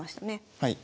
はい。